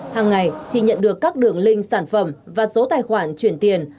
hàng ngày chị nhận được các đường link sản phẩm và số tài khoản chuyển tiền